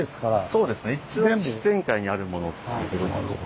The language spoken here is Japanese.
そうですね一応自然界にあるものということになります。